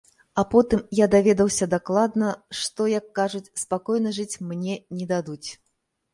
А потым я даведаўся дакладна, што, як кажуць, спакойна жыць мне не дадуць.